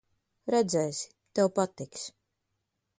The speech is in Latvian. Redzēsi, tev patiks.